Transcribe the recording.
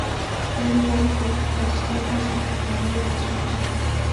Tiene la advocación de Santa María Asunción.